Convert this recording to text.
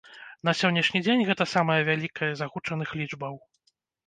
На сённяшні дзень гэта самая вялікая з агучаных лічбаў.